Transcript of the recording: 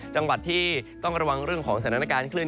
จังหวัดที่ต้องระวังเรื่องของสถานการณ์คลื่น